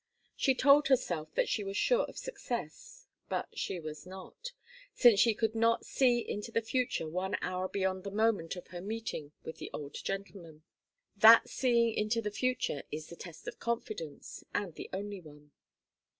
She told herself that she was sure of success, but she was not, since she could not see into the future one hour beyond the moment of her meeting with the old gentleman. That seeing into the future is the test of confidence, and the only one.